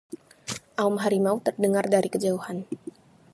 aum harimau terdengar dari kejauhan